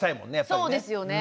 そうですよね。